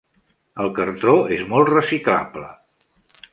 El cartó és molt reciclable.